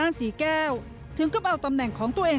ก็พูดเสียงดังฐานชินวัฒน์